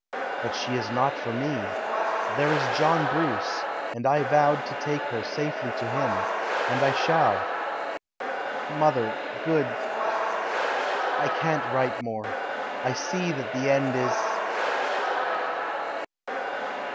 But she is not for me. There is John Bruce, and I vowed to take her safely to him, and I shall . Mother, good . I can't write more. I see that the end is....